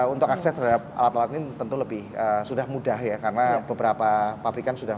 untuk akses terhadap alat alat ini tentu lebih sudah mudah ya karena beberapa pabrikan sudah